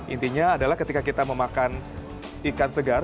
intinya adalah ketika kita memakan ikan segar